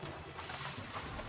bapak ibu kenapa sih